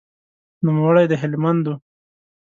نوموړی د هلمند و.